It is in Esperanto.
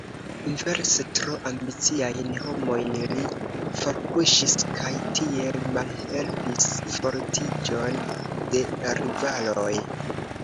Inverse, tro ambiciajn homojn li forpuŝis kaj tiel malhelpis fortiĝon de rivaloj.